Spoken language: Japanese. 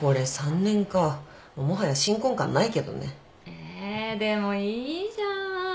えでもいいじゃん。